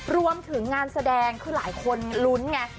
รวมถึงงานแสดงคือหลายคนลุ้นไง